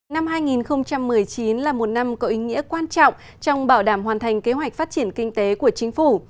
năm hai nghìn một mươi chín là một năm có ý nghĩa quan trọng trong bảo đảm hoàn thành kế hoạch phát triển kinh tế của chính phủ